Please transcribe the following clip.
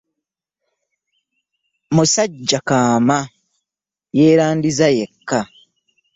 Musajja kaama yeerandiza yekka.